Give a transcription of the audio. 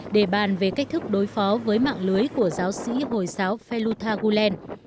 để bàn về cách thức đối phó với mạng lưới của giáo sĩ hồi giáo feluta gulen